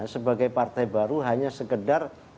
sebagai partai baru hanya sekedar